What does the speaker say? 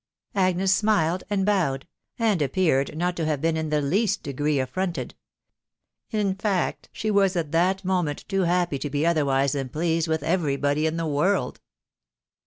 Agnes smiled and bowed, and appeared not to have been in the least degree affronted ; in fact, she was at that moment too happy to be otherwise than pleased with everybody in the world.